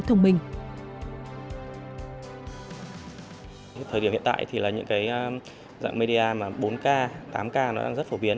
thời điểm hiện tại thì là những dạng media bốn k tám k rất phổ biến